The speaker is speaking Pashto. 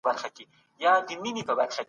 ګاونډیان به مهم بحثونه پرمخ وړي.